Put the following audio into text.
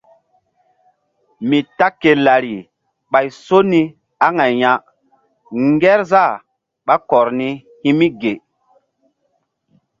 Mi ta ke lari ɓay so ni aŋay ya ngerzah ɓá kɔr ni hi̧ mi ge.